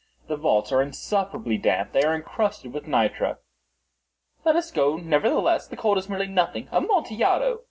The vaults are insufferably damp. They are encrusted with nitre." "Let us go, nevertheless. The cold is merely nothing. Amontillado!